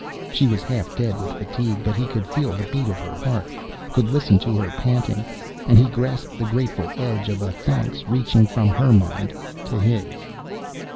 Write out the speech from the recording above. She was half dead with fatigue, but he could feel the beat of her heart, could listen to her panting, and he grasped the grateful edge of a thanks reaching from her mind to his.